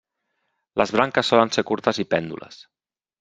Les branques solen ser curtes i pèndules.